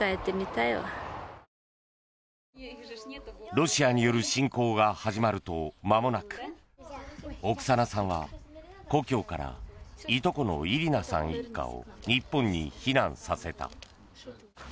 ロシアによる侵攻が始まるとまもなくオクサナさんは、故郷からいとこのイリナさん一家を日本に避難させた。